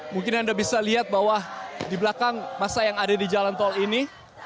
mungkin anda bisa lihat bahwa di belakang masa yang ada di jalan tol ini